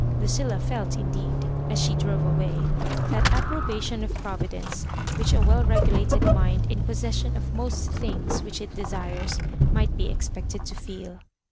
Lu cilla felt, indeed, as she drove away, that appro bation of Providencp which a well regulated mind, in possession of most things which it desires, might be expected to feel.